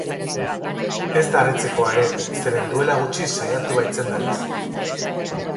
Ez da harritzekoa ere, zeren duela gutxi saiatu baitzen berriz.